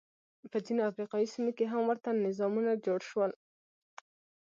په ځینو افریقايي سیمو کې هم ورته نظامونه جوړ شول.